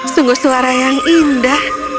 sungguh suara yang indah